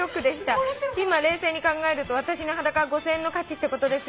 「今冷静に考えると私の裸は５，０００円の価値ってことですよね」